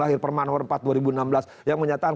lahir permanwar empat dua ribu enam belas